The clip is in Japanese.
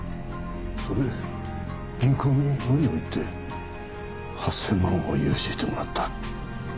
それで銀行に無理を言って８０００万を融資してもらった。